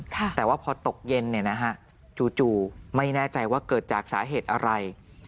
แต่ว่าพอตกเย็นเนี่ยนะฮะจู่ไม่แน่ใจว่าเกิดจากสาเหตุอะไร